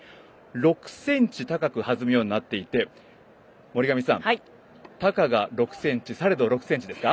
６ｃｍ高く弾むようになっていて森上さん、たかが６ｃｍされど６ｃｍですか？